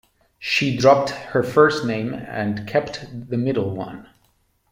She dropped her first name and kept the middle one.